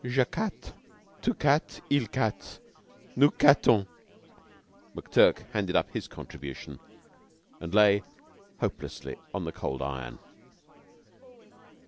"Je cat, tu cat, il cat. Nous cattons!" McTurk handed up his contribution and lay hopelessly on the cold iron.